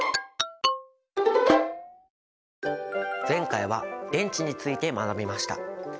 前回は電池について学びました。